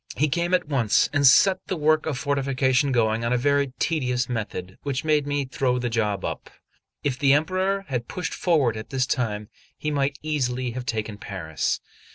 He came at once, and set the work of fortification going on a very tedious method, which made me throw the job up. If the Emperor had pushed forward at this time, he might easily have taken Paris.